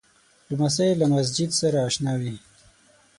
لمسی له مسجد سره اشنا وي.